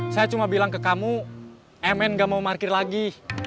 saya cuma bilang ke kamu mn gak mau parkir lagi